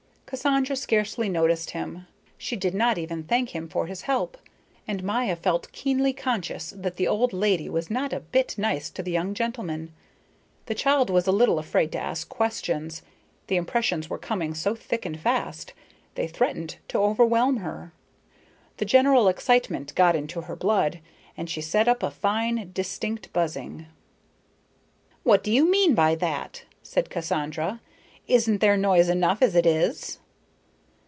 Cassandra scarcely noticed him. She did not even thank him for his help, and Maya felt keenly conscious that the old lady was not a bit nice to the young gentleman. The child was a little afraid to ask questions, the impressions were coming so thick and fast; they threatened to overwhelm her. The general excitement got into her blood, and she set up a fine, distinct buzzing. "What do you mean by that?" said Cassandra. "Isn't there noise enough as it is?"